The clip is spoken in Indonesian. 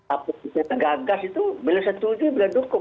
apabila saya gagas itu beliau setuju beliau dukung